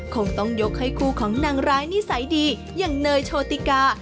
คงต้องยกให้คู่ของนางร้ายนิสัยดีอย่างเนยโชติกา